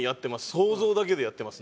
想像だけでやってます。